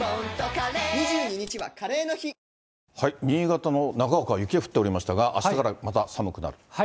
新潟の長岡は雪が降っておりましたが、あしたからまた寒くなる。